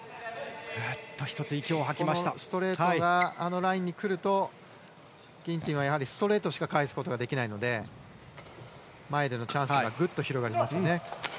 ストレートがあのラインにくるとギンティンはストレートしか返すことができないので前でのチャンスがぐっと広がります。